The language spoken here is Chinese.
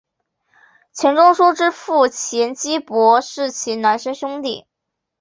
钱钟书之父钱基博是其孪生兄弟。